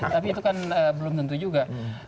tapi itu kan belum tentu juga